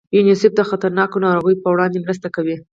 یونیسف د خطرناکو ناروغیو په وړاندې مرسته کوي.